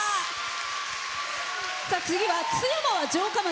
次は津山は城下町。